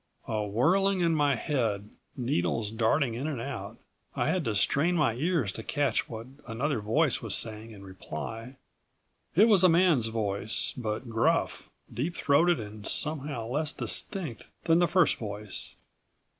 A whirling in my head, needles darting in and out. I had to strain my ears to catch what another voice was saying in reply. It was a man's voice, but gruff, deep throated and somehow less distinct than the first voice.